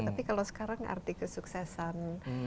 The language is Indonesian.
tapi kalau sekarang arti kesuksesan